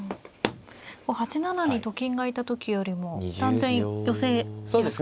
８七にと金がいた時よりも断然寄せやすくなっていますね。